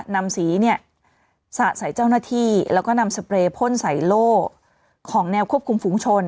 นำสีเนี่ยสะใส่เจ้าหน้าที่แล้วก็นำสเปรย์พ่นใส่โล่ของแนวควบคุมฝูงชน